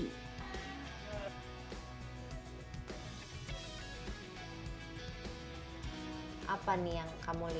jadi ini kan bisa jadi tempat yang lebih menarik